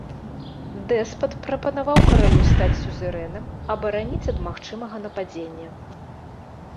Дэспат прапанаваў каралю стаць сюзерэнам, абараніць ад магчымага нападзення.